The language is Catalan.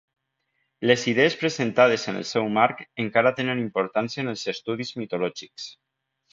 Les idees presentades en el seu marc encara tenen importància en els estudis mitològics.